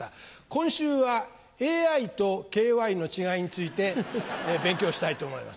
今週はＡＩとＫＹの違いについて勉強したいと思います。